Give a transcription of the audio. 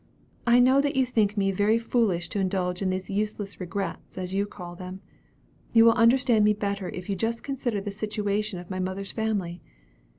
I know that you think me very foolish to indulge in these useless regrets, as you call them. You will understand me better if you just consider the situation of my mother's family.